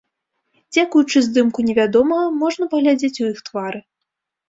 Дзякуючы здымку невядомага можна паглядзець у іх твары.